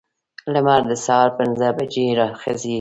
لمر د سهار پنځه بجې راخیزي.